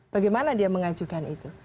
bagaimana dia mengajukan itu